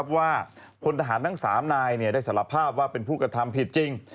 ว่าพลทหารทั้ง๓นายได้สารภาพว่าเป็นผู้กระทำผิดจริง